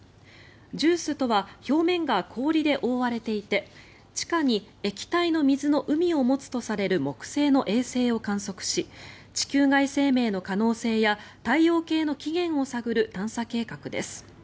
ＪＵＩＣＥとは表面が氷で覆われていて地下に液体の水の海を持つとされる木星の衛星を観測し地球外生命の可能性や太陽系の起源を探る探査計画です。